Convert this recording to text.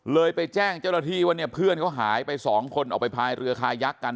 ไปแจ้งเจ้าหน้าที่ว่าเนี่ยเพื่อนเขาหายไปสองคนออกไปพายเรือคายักษ์กัน